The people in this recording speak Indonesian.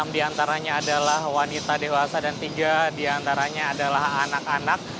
enam diantaranya adalah wanita dewasa dan tiga diantaranya adalah anak anak